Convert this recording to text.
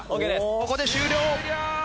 ここで終了！